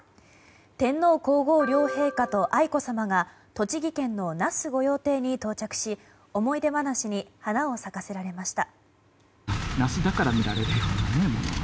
天皇・皇后両陛下と愛子さまが栃木県の那須御用邸に到着し思い出話に花を咲かせられました。